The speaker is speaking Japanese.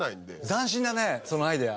斬新だねそのアイデア。